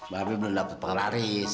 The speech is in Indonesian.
babe belum dapet penglaris